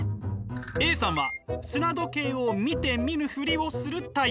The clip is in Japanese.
Ａさんは砂時計を見て見ぬふりをするタイプ。